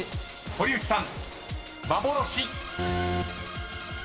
［堀内さん］